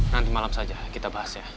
nanti malam saja kita bahas ya